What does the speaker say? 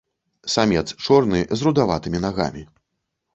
Самец чорны з рудаватымі нагамі.